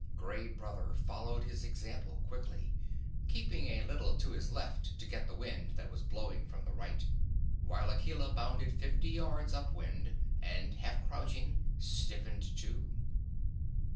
Gray Brother followed his example quickly, keeping a little to his left to get the wind that was blowing from the right, while Akela bounded fifty yards up wind, and, half crouching, stiffened too.